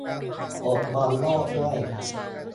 อดบอลโลกด้วย